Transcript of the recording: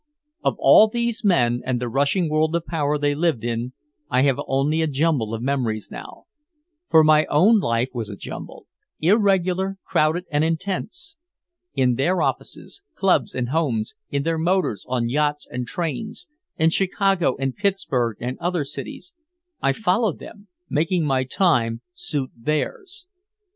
Of all these men and the rushing world of power they lived in, I have only a jumble of memories now. For my own life was a jumble irregular, crowded and intense. In their offices, clubs and homes, in their motors, on yachts and trains, in Chicago and Pittsburgh and other cities, I followed them, making my time suit theirs.